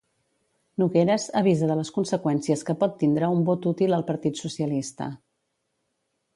Nogueras avisa de les conseqüències que pot tindre un vot útil al partit socialista.